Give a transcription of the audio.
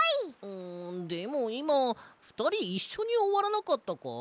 でもいまふたりいっしょにおわらなかったか？